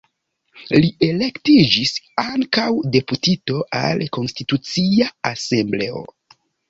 Li elektiĝis ankaŭ deputito al Konstitucia Asembleo.